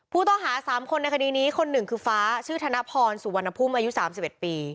ผู้ต้องหา๓คนในคดีนี้คนหนึ่งคือฟ้าชื่อธนพรสุวรรณภูมิอายุ๓๑ปี